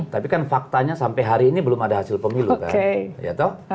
tapi kan faktanya sampai hari ini belum ada hasil pemilu kan